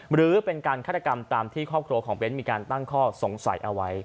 หรือเป็นการฆาตกรรมตามที่ครอบครัวของเบ้นมีการตั้งข้อสงสัยเอาไว้